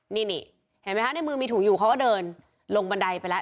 นี่เห็นไหมคะในมือมีถุงอยู่เขาก็เดินลงบันไดไปแล้ว